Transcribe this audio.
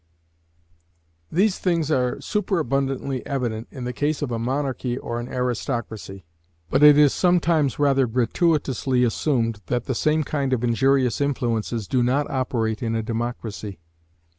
These things are superabundantly evident in the case of a monarchy or an aristocracy; but it is sometimes rather gratuitously assumed that the same kind of injurious influences do not operate in a democracy.